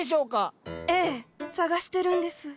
ええ探してるんです。